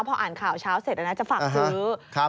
พออ่านข่าวเช้าเสร็จจะฝากซื้อ